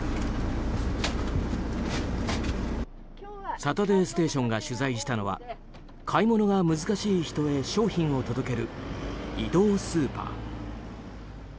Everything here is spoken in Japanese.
「サタデーステーション」が取材したのは買い物が難しい人へ商品を届ける移動スーパー。